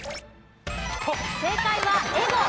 正解はエゴ。